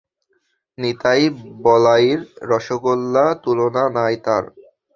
নিতাই বলাইর রসোগোল্লা তুলনা নাই তার।